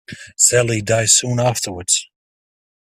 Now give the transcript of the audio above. Sally dies soon afterwards.